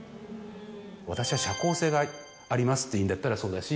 私は社交性がありますって言うんだったらそうだし